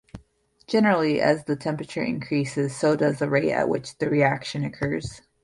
Generally, as the temperature increases so does the rate at which the reaction occurs.